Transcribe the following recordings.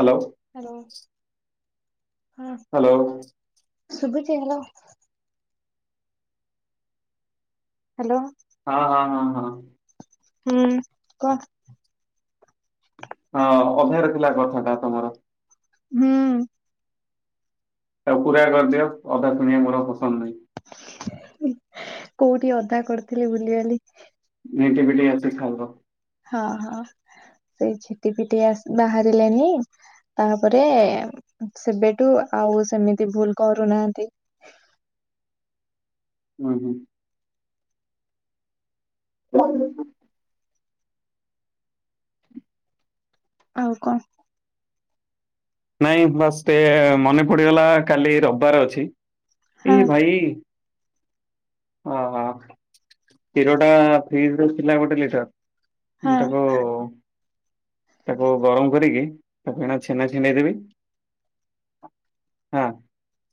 Hello. Hello ହଁ। Hello. ସୁୁବୁଚି hello. Hello. ହଁ ହଁ ହଁ ହଁ। ହୁଁ କଁ। ହଁ ଅଧାରେ ଥିଲା କଥାଟା ତୋମର। ହୁଁ। ତାକୁ ପୁରା କରିଦିଅ ଅଧା ଶୁଣିବା ମୋର ପସନ୍ଦ ନାହିଁ। କୋଉଠି ଅଧା କରିଥିଲି ଭୁଲିଗଲି। [unintelligible] ଅଛି ସାଙ୍ଗ ହଁ ହଁ ସେଇ ଝିଟି ପିଟି ଆସ ବାହାରିଲାନି ତାପରେ ସେବେଠୁ ଆଉ ସେମିତି ଭୁଲ କରୁନାହାନ୍ତି। [unintelligible] [unintelligible] ଦେଖ। ଆଉ କଣ? ନାଇଁ ବାସ୍ ଟେ ମନେ ପଡିଗଲା କାଲି ରବବାର ଅଛି ଏ ହଁ ଭାଇ ଓ ହୋ, କ୍ଷୀର ଟା ଫ୍ରିଜ୍ ରେ ଥିଲା ଗୋଟେ ଲିଟର୍। ମୁଁ ହଁ ତାକୁ ତାକୁ ଗରମ କରିକି ତାକୁ ଏଇନା ଛେନା ଛିଣ୍ଡେଇ ଦେବି ହଁ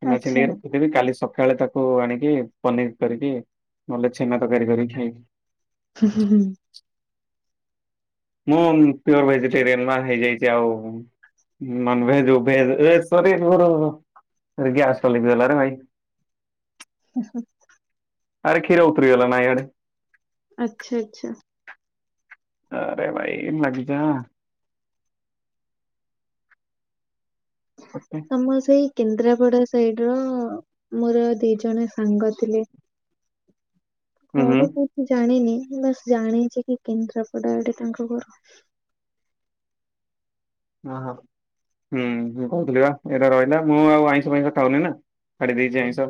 ଛେନା ଆଚ୍ଛା। ଛିଣ୍ଡେଇକି ର ଖିଦେବି କାଲି ସକାଳେ ତାକୁ ଆଣିକି ପନିର୍ କରିକି ନହେଲେ ଛେନା ତରକାରୀ କରି ଖାଇକି। ହୁଁ, ହୁଁ, ହୁଁ। ମୁଁ ପିଓର୍ ଭେଜିଟେରିଆନ ନା ହେଇଯାଇଛି ଆଉ ନନ୍ ଭେଜ୍ ଭେଜ ଏ ସରି ମୋର ଏ ଗ୍ୟାସ୍ ଟା ଲିଭିଗଲାରେ ଭାଇ। ଆସ ଆରେ କ୍ଷୀର ଉତରିଗଲା ନା ଇଆଡେ। ଆଚ୍ଛା, ଆଚ୍ଛା। ଆରେ ଭାଇ ନାଗିଜା। ଅଛି। ତୋମ ସେଇ କେନ୍ଦ୍ରାପଡା ସାଇଡ ର ମୋର ଦି ଜଣ ସାଙ୍ଗ ଥିଲେ। ହୁଁ ହୁଁ ଘରକୁ ଜାଣିନି ବାସ୍ ଜାଣିଚି କି କେନ୍ଦ୍ରାପଡ଼ା ଆଡେ ତାଙ୍କ ଘର। [unintelligible] ହୁଁ, ମୁଁ କହୁଥିଲି ବା ଏଟା ରହିଲା ମୁଁ ଆଉ ଆଇଁଷ ଫାଇଁଷ ଖାଉନି ନା ଛାଡି ଦେଇଚି ଆଇଁଷ।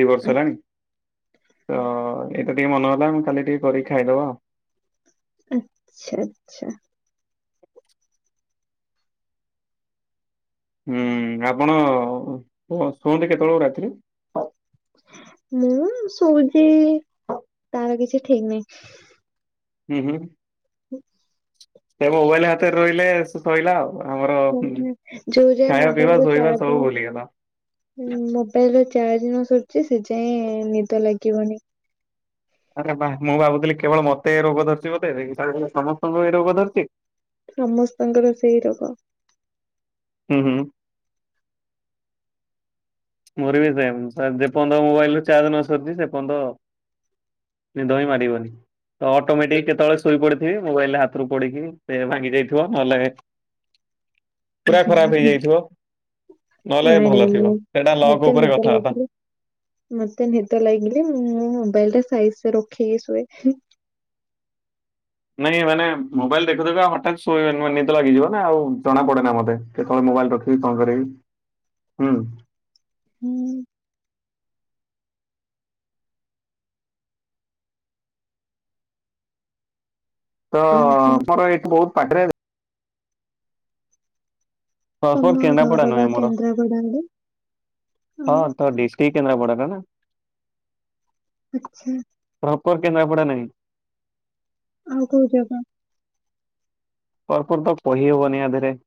ଦି ବର୍ଷ ହେଲାଣି ତ ଏଇତ ଟିକେ ମନ ହେଲା ମୁଁ କାଲି ଟିକେ କରିକି ଖାଇଦବା। ଆଚ୍ଛା, ଆଚ୍ଛା। ହୁଁ, ଆପଣ ଶୁଅ ଶୁଅନ୍ତି କେତେବେଳେ ରାତିରେ? ମୁଁ ଶୋଉଚି ତାର କିଛି ଠିକ ନାଇ। ଉଁ, ହୁଁ। ହୁଁ। ତେଣୁ ମୋବାଇଲ୍ ହାତରେ ରହିଲେ ସେ ସଇଲା ଆଉ। ଆମର ହୁଁ, ନାହିଁ। ଯୋଉ ଯାଏ ଖାଇବା ପିଇବା ଶୋଇବା ସବୁ ଭୁଲିଗଲ। ହୁଁ, ମୋବାଇଲ୍ ର ଚାର୍ଜ ନ ସରିଚି ସେ ଯାଏଁ ନିଦ ଲାଗିବନି। ଆରେ ବାଃ ମୁଁ ଭାବୁଥିଲି କେବଳ ମୋତେ ଏ ରୋଗ ଧରିଚି ବୋଦେ। [unintelligible] ସମସ୍ତଙ୍କୁ ଏ ରୋଗ ଧରିଛି। ସମସ୍ତଙ୍କର ସେଇ ରୋଗ। ହୁଁ, ହୁଁ। ମୋର ବି ସେମ୍ ସା- ଯେପନ୍ତ ମୋବାଇଲ୍ ରେ ଚାର୍ଜ ନ ସରିଚି ସେପନ୍ତ ନିଦ ହିଁ ମାରିବନି। ତ ଅଟୋମେଟିକ କେତେବେଳେ ଶୋଇ ପଡିଥିବି ମୋବାଇଲ୍ ରେ ହାତରୁ ପଡିକି ସେ ଭାଙ୍ଗି ଯାଇଥିବ। ନହେଲେ ପୁରା ଖରାପ ହେଇଯାଇଥିବ। ନହେଲେ ନାଇଁ ନାଇଁ ଭଲ ଥିବ। ମୁଁ ଲପ୍ ମତେ ଉପରେ ନିଦ କଥାହବା? ଲାଗିଲେ ମତେ ନିଦ ଲାଗିଲେ ମୁଁ ମୋବାଇଲିଟା ସାଇଜିରେ ରଖିକି ଶୁଏ। ନାଇଁ ମାନେ ମୋବାଇଲ୍ ଦେଖୁ ଦେଖୁକା ହଠାତ୍ ଶୋଇ ନିଦ ଲାଗିଯିବନା ଆଉ ଜଣା ପଡ଼େନା ମତେ। କେତେବେଳେ ମୋବାଇଲ୍ ରଖିବି କଣ କରବି ହୁଁ। ହୁଁ। ତ ଆଉ କଣ ମୋର ଏଇଠି ବହୁତ୍ ପାଖରେ [unintelligible] ତମ କେନ୍ଦ୍ରାପଡ଼ା ଘର ବା ନୁହେଁ ମୋର କେନ୍ଦ୍ରାପଡା ଆଡେ? ହଁ ଆଉ ତ ଡିସ୍ ଟି କେନ୍ଦ୍ରାପଡ଼ାଟାନା। ଆଚ୍ଛା। ପ୍ରପର କେନ୍ଦ୍ରାପଡ଼ା ନାଇଁ। ଆଉ କୋଉ ଜାଗା? କରପରତ କହି ହବନି ଆଧରେ।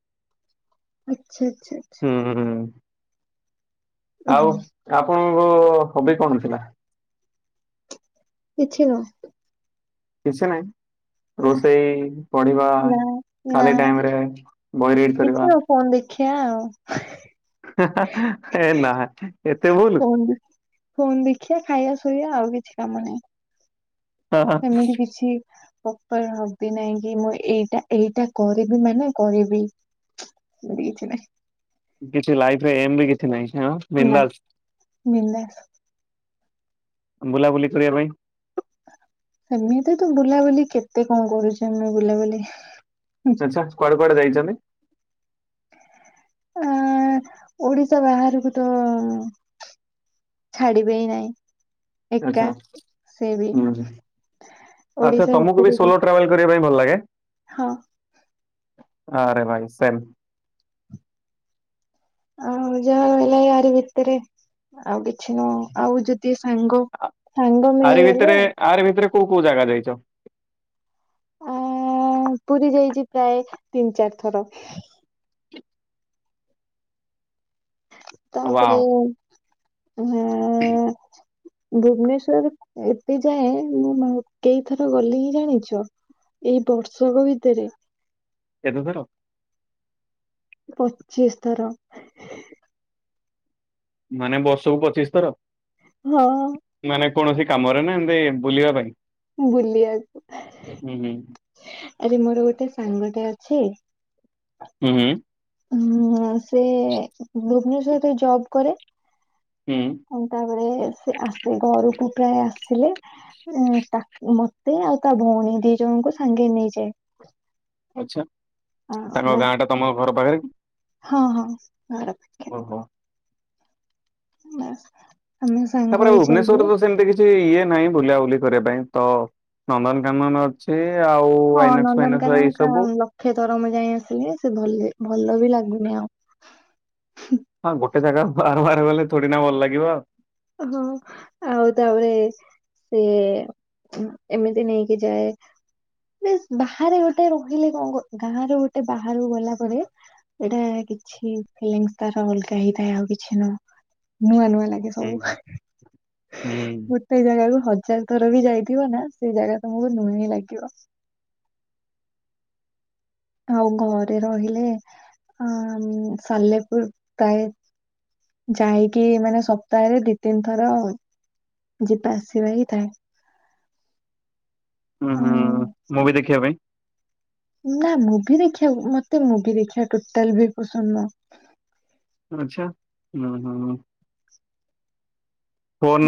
ଆଚ୍ଛା ଆଚ୍ଛା ଆଚ୍ଛା। ହୁଁ ହୁଁ ଆଉ ଆପଣଙ୍କ ହବି କଣ ଥିଲା? କିଛି ନୁହଁ। କିଛି ନାହିଁ। ନା ରୋଷେଇ ପଢ଼ିବା ନା ନା ଖାଲି ଟାଇମରେ ବହି ରିଡ଼ କରିବା? ଫୋନ୍ ଦେଖିଆ ଆଉ। ହେନା ଏତେ ଭୁଲୁ। ଫୋନ୍ ଦେଖିଆ ଖାଇଆ ଶୋଇଆ ଆଉ କିଛି କାମ ନାହିଁ। ସେମିତି କିଛି କ ପର ହବି ନାଇଁକି ମୁଁ ଏଇଟା ଏଇଟା କରିବି ମାନେ କରିବି। ସେମିତି କିଛି ନାହିଁ। କିଛି ଲାଇଫରେ ଏମବି କିଛି ନାହିଁ ହାଁ ବିନ୍ଦାସ୍। ବିନ୍ଦାସ ବୁଲାବୁଲି କରିଆ ପାଇଁ। ସେମିତିତ ବୁଲାବୁଲି କେତେ କଣ କରୁଚେ ଆମେ ବୁଲାବୁଲି। ଆଚ୍ଛା କୁଆଡ଼େ କୁଆଡ଼େ ଯାଇଚନ୍ତି। ଆ ଓଡ଼ିଶା ବାହାରକୁତ ଛାଡ଼ିବେହି ନାଇଁ। ଆଚ୍ଛା ହଁ ଆଚ୍ଛା ଓଡିଶା ତମକୁବି ଭିତରେ ବି ସୋଲୋ ଟ୍ରାଭେଲ କରିବା ପାଇଁ ଭଲ ଲାଗେ? ହଁ। ଆରେ ଭାଇ ସେମ୍। ଆଉ ଯାହା ରହିଲାୟାରି ଭିତରେ ଆଉ କିଛି ନୁହ ଆଉ ଯଦି ସାଙ୍ଗ ସାଙ୍ଗ ଆରି ମିଳିଗଲେ ଭିତରେ ଆରି ଭିତରେ କୋଉ କୋଉ ଜାଗା ଯାଇଚ? ଆ ପୁରୀ ଯାଇଚି ପ୍ରାୟ ତିନି ଚାରି ଥର। ତାପରେ ଆ ହ [inaudible] ଭୁବନେଶ୍ଵର ଏବେ ଯାଏଁ ମୁଁ କେଇଥର ଗଲିଣି ଜାଣିଚ? ଏଇ ବର୍ଷକ ଭିତରେ। କେତେ ଥର? ପଚିଶି ଥର। ମାନେ ବର୍ଷକୁ ପଚିଶି ଥର? ହଁ। ମାନେ କୌଣସି କାମରେନା ଏମିତି ବୁଲିବା ପାଇଁ? ବୁଲିଆକୁ। ହୁଁ ହୁଁ ଆରେ ମୋର ଗୋଟେ ସାଙ୍ଗଟେ ଅଛି ହୁଁ ହୁଁ। ହୁ ସେ ଭୁବନେଶ୍ଵରରେ ଜବ୍ କରେ। ହୁଁ। ହୁଁ ତାପରେ ସେ ଆସେ ଘରକୁ ପ୍ରାୟ ଆସିଲେ ଉ ତାକୁ ମତେ ଆଉ ତା ଭଉଣୀ ଦି ଜଣଙ୍କୁ ସାଙ୍ଗରେ ନେଇଯାଏ। ଆଛା ଆ ତାଙ୍କ ବାସ୍ ଗାଁଟା ତମ ଘର ପାଖରେ କି? ହଁ ହଁ ଘର ପାଖେ। ଓହୋ। ବା [inaudible] ତାପରେ ଭୁବନେଶ୍ଵରରେ ତ ସେମିତି କିଛି ଇଏ ନାହିଁ ବୁଲାବୁଲି କରିବା ପାଇଁ ତ ନନ୍ଦନକାନନ ସିଏ ଆଉ ଆଇନକ୍ସ ଫାଇନକ୍ସ ଏଇ ସବୁ। କେତେଥର ମୁଁ ଯାଇ ଆସିଲି ସେ ଭଲ ଭଲ ବି ଲାଗୁନି ଆଉ। ହଁ ଗୋଟେ ଜାଗା ବାର ବାର ଗଲେ ଥୋଡି ନା ଭଲ ଲାଗିବ। ହଁ ଆଉ ତାପରେ ସିଏ ଏମିତି ନେଇକି ଯାଏ। ବାହାରେ ଗୋଟେ ରହିଲେ କଣ ଗାଁରେ ଗୋଟେ ବାହାରୁକୁ ଗଲା ପରେ ଏଇଟା କିଛି ଫିଲଂସ ତାର ଅଲଗା ହେଇଥାଏ ଆଉ କିଛି ନୁହଁ। ନୂଆ ନୂଆ ଲାଗେ ହୁଁ ସବୁ ହୁଁ ଗୋଟେ ଜାଗାକୁ ହଜ ହଜାର ଥର ବି ଯାଇଥିବ ନା ସେ ଜାଗା ତମକୁ ନୁଆ ହିଁ ଲାଗିବ। ଆଉ ଘରେ ରହିଲେ ଅ ସାଲେପୁର ପ୍ରାୟ ଯାଇକି ମାନେ ସପ୍ତାହରେ ଦି ତିନି ଥର ଯିବା ଆସିବା ହିଁ ଥାଏ। ହୁଁ ଉଁ ହୁଁ ମୁଭି ଦେଖିବା ପାଇଁ। ନା ମୁଭି ଦେଖିବାକୁ ମତେ ମୁଭି ଦେଖିବା ଟୋଟାଲ ବି ପସନ୍ଦ ନୁହ। ଆଛା ହୁଁ ହୁଁ ହ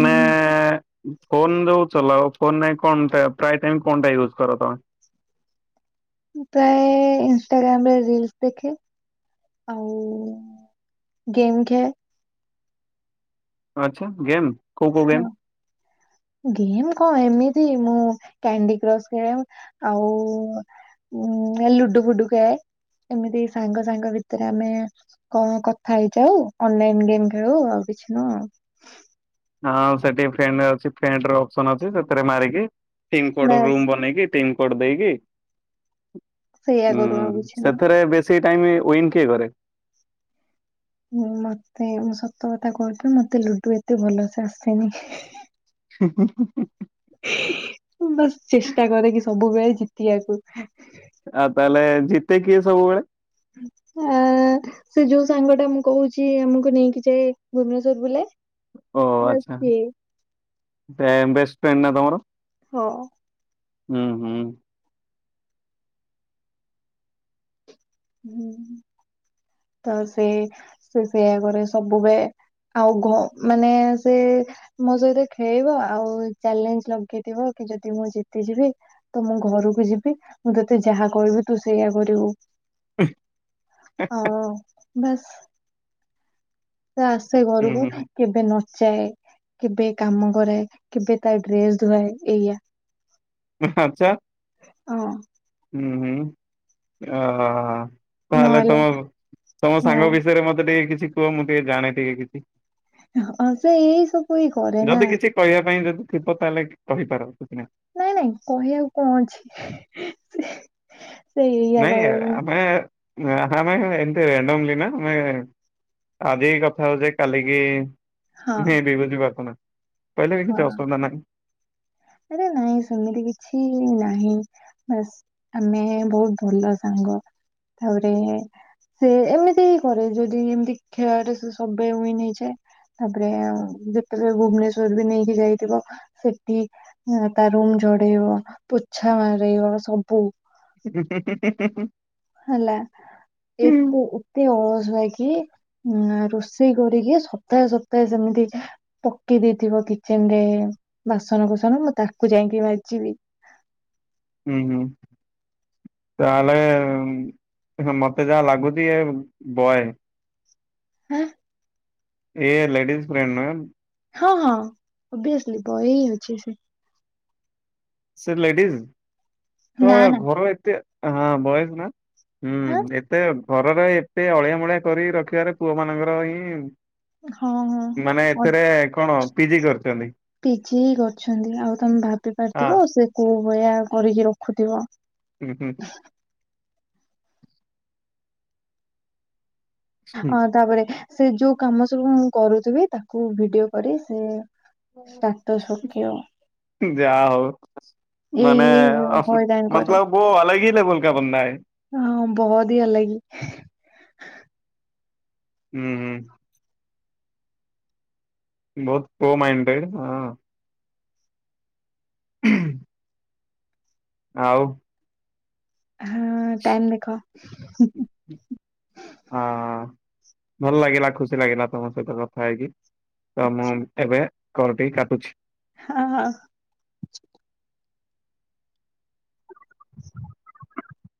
ନୁହଁ। ଫୋନ ଯୋଉ ଚଲାଅ ଫୋନ ନାଇଁ କଣଟା ପ୍ରାୟ ଟାଇମ କଣଟା ୟୁଜ୍ କର ତମେ। ମୁଁ ପ୍ରାୟ ଇନଷ୍ଟାଗ୍ରାମ ରେ ରିଲସ ଦେଖେ ଆଉ ଗେମ୍ ଖେଳେ। ଆଚ୍ଛା ଗେମ୍? କୋଉ କୋଉ ଗେମ୍? ହଁ। ଗେମ୍ କଣ ଏମିତି ମୁଁ କ୍ୟାଣ୍ଡି କ୍ରସ୍ ଖେଳେ ଆଉ ଉଁ ଲୁଡୁ ଫୁଡୁ ଖେଳେ ଏମିତି ସାଙ୍ଗ ସାଙ୍ଗ ଭିତରେ ଆମେ କମ କଥା ହେଇଯାଉ ଅନଲାଇନ ଗେମ୍ ଖେଳୁ ଆଉ କିଛି ନୁହଁ। ହଁ ସେଠି ଫ୍ରେନ୍ ରେ ଅଛି ଫ୍ରେଣ୍ଡର ଅପ୍ସନ୍ ଅଛି ସେଥିରେ ମାରିକି ଟିମ୍ କୋଡ ବାସ୍ ରୁମ ବନେଇକି ଟିମ କୋଡ ଦେଇକି ସେଇଆ ଉଁ କରୁ ଆଉ କିଛି ନୁହଁ। ସେଥେରେ ବେଶୀ ଟାଇମ ଉଇନ କିଏ କରେ? ମୁଁ ମତେ ମୁଁ ସତ କଥା କହୁଥିଲି ମତେ ଲୁଡୁ ଏତେ ଭଲସେ ଆସେନି ହିଁ ହିଁ। ହୁଁ ହୁଁ ହୁଁ ହୁଁ ହୁଁ। ବାସ୍ ଚେଷ୍ଟା କରେ କିି ସବୁବେଳେ ଜିତିଆକୁ। ଆଉ ତାହେଲେ ଜିତେ କିଏ ସବୁବେଳେ? ଆ ସେ ଯୋଉ ସାଙ୍ଗଟା ମୁଁ କହୁଛି ଆମକୁ ନେଇକି ଯାଏ ଭୁବନେଶ୍ଵର ବୁଲାଏ। ଓ ବାସ୍ ଆଚ୍ଛା ସିଏ ବେଷ୍ଟ ଫ୍ରେଣ୍ଡ ନା ତମର? ହ। ହୁଁ ହୁଁ ହୁଁ ତ ସେ ସେଇଆ କରେ ସବୁବେ ଆଉ ଘ ମାନେ ସେ ମୋ ସହିତ ଖେଳିବ ଆଉ ଚ୍ୟାଲେଞ୍ଜ ଲଗେଇଥିବ କି ଯଦି ମୁଁ ଜିତିଯିବି ତ ମୁଁ ଘରକୁ ଯିବି ମୁଁ ତତେ ଯାହା କହିବି ତୁ ସେଇଆ କରିବୁ। ହୁଁ ହୁଁ ହୁଁ। ଆଉ ବାସ୍ ସେ ଆସେ ହୁଁ ଘରକୁ ହୁଁ କେବେ ନଚାଏ କେବେ କାମ କରାଏ କେବେ ତା ଡ୍ରେସ ଧୁଆଏ ଏଇଆ। ଉଁହୁଁ ଆଚ୍ଛା ହଁ ହୁଁ ହଁ ହ ହ ତାହେଲେ ନହେଲେ ତମ ତମ ହଁ ସାଙ୍ଗ ବିଷୟରେ ମତେ ଟିକେ କିଛି କୁହ ମୁଁ ଟିକେ ଜାଣେ ଟିକେ କିଛି। ହଁ ସେ ଏଇ ସବୁ ଇ କରେନା। ଯଦି କିଛି କହିବା ପାଇଁ ଯଦି ଥିବ ତାହେଲେ କହିପାର କିଛି ନାଇଁ। ନାଇଁ ନାଇଁ କହିବାକୁ କଣ ଅଛି ସେ ସେଇ ଏଇଆ କହିବା ପାଇଁ। ନାହଁ ନାଇଁ ଏମତି [unintelligible] ନା ଆଜି କଥା ହଉଚେ କାଲିକି ହଁ ମେ ବି ବୁଝି ପାରଚ ନା କହିଲେ ବି କିଛି ହଁ ଅସୁବିଧା ନାଇଁ। ଆରେ ନାଇଁ ସେମିତି କିଛି ନାହିଁ ବାସ ଆମେ ବହୁତ ଭଲ ସାଙ୍ଗ ତାପରେ ସେ ଏମିତି ହିଁ କରେ ଯଦି ଏମିତି ଖେଳରେ ସେ ସବବେ ଉଇନ୍ ହେଇଯାଏ। ତାପରେ ଯେତେବେଳେ ଭୁବନେଶ୍ଵର ବି ନେଇକି ଯାଇଥିବ ସେଟି ତା ରୁମ ଝଡେଇବ ପୋଛା ମାରେଇବ ସବୁ। ହୁଁ ହୁଁ ହୁଁ ହୁଁ ହେଲା ଏକୁ ଉ ଏତେ ଅଳଶୁଆ ହେଇକି ଉଁ ରୋଷେଇ କରିକି ସପ୍ତାହେ ସପ୍ତାହେ ସେମିତି ପକେଇ ଦେଇଥିବ କିଚେନରେ ବାସନ କୁସନ ମୁଁ ତାକୁ ଯାଇକି ମାଯିବି। ହୁଁ ହୁଁ ତାହେଲେ ମତେ ଯାହା ଲାଗୁଛି ଏ ବଏ ଆଁ ଇଏ ଲେଡିଜ୍ ଫ୍ରେଣ୍ଡ ନୁହେଁ। ହଁ ହଁ ଓଭିଅସଲି ବୟ ଅଛି ସେ। ସେ ଲେଡିଜ ତ ନା ନା ଘର ଏତେ ହଁ ବଏଜ ନା। ହୁଁ ଏତେ ଘରର ଏତେ ଅଳିଆ ମଳିଆ କରି ରଖିବାରେ ପୁଅ ମାନଙ୍କର ହିଁ ହଁ ହଁ ମାନେ ହଁ ଏଥିରେ କଣ ପିଜି କରିଚନ୍ତି। ପିଜି କରିଛନ୍ତି ଆଉ ତମେ ଭାବି ପାରିଥିବ ସେ କୋଉ ଭଳିଆ କରିକି ରଖୁଥିବ। ଉଁ ହୁଁ ହଁ, ତାପରେ ସେ ଯୋଉ କାମ ସବୁ ମୁଁ କରୁଥିବି ତାକୁ ଭିଡିଓ କରି ସେ ଷ୍ଟାର୍ଟସ ପକେଇବ। ଯାହା ହଉ ଏଇ ମାନେ ଏଇ ହଇରାଣ କରେ [unintelligible] ହଁ, ବହୋଦି ଅଲଗି। ହୁଁ ହୁଁ। ବହୁତ ପୋ ମାଇଣ୍ଡେଡ ହଁ। ହୁଁ ଆଉ ହଁ, ଟାଇମ୍ ଦେଖ। ହଁ, ଭଲ ଲାଗିଲା ଖୁସି ଲାଗିଲା ତମ ସହିତ କଥା ହେଇକି। ତ ମୁଁ ଏବେ କଲ୍ ଟି କାଟୁଛି। ହଁ, ହଁ।